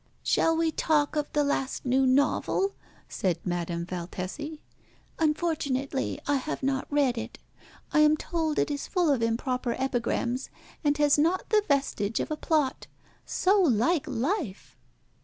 "Shall we talk of the last new novel?" said Madame Valtesi. "Unfortunately I have not read it. I am told it is full of improper epigrams, and has not the vestige of a plot. So like life!"